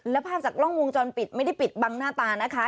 และภาพจากกล้องวงจรปิดไม่ได้ปิดบังหน้าตานะคะ